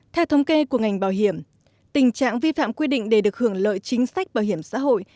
theo thống kê của ngành bảo hiểm tình trạng vi phạm quy định để được hưởng lợi chính sách bảo hiểm xã hội